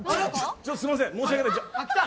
ちょっとすいません申し訳ない。